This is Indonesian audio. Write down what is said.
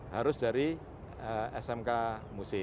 harus dari smk musik